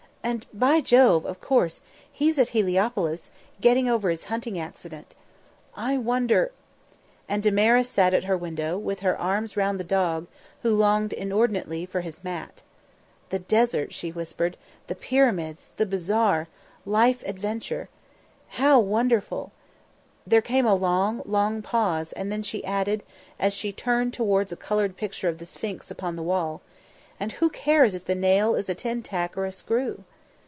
And by Jove! of course! he's at Heliopolis, getting over his hunting accident. I wonder " And Damaris sat at her window, with her arms round the dog, who longed inordinately for his mat. "The desert," she whispered. "The pyramids the bazaar life adventure. How wonderful!" There came a long, long pause, and then she added, as she turned towards a coloured picture of the Sphinx upon the wall, "And who cares if the nail is a tin tack or a screw?"